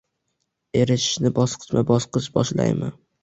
Erishishni bosqichma-bosqich boshlaymi.